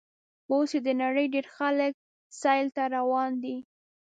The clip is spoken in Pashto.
اوس یې د نړۍ ډېر خلک سیل ته روان دي.